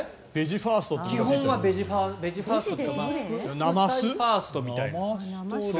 基本はベジファーストで副菜ファーストみたいな。